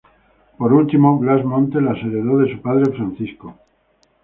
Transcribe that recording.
Por último Blas Montes las heredó de su padre Francisco.